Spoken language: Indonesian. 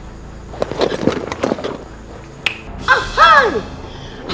aku tahu caranya